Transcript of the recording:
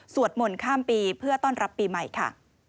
มนต์ข้ามปีเพื่อต้อนรับปีใหม่ค่ะ